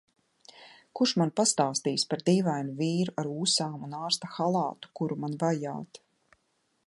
Kurš man pastāstīs par dīvainu vīru ar ūsām un ārsta halātu kuru man vajāt?